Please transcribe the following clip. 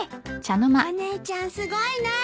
お姉ちゃんすごいなあ。